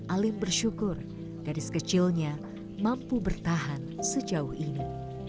alim bersyukur dari sekecilnya mampu bertahan sejauh ini